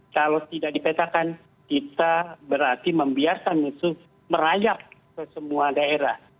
kalau tidak dipetakan kita berarti membiarkan musuh merayap ke semua daerah